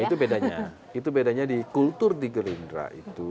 itu bedanya itu bedanya di kultur di gerindra itu